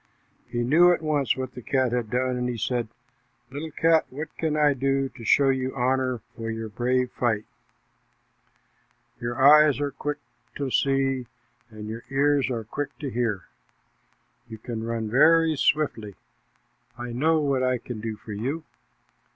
He knew at once what the cat had done, and he said, "Little cat, what can I do to show you honor for your brave fight? Your eyes are quick to see, and your ears are quick to hear. You can run very swiftly. I know what I can do for you.